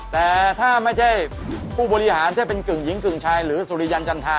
แต่ถ้าไม่ใช่ผู้บริหารจะเป็นกึ่งหญิงกึ่งชายหรือสุริยันจันทรา